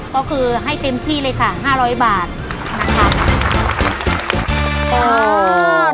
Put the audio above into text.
ก็คือให้เต็มที่เลยค่ะ๕๐๐บาทนะครับ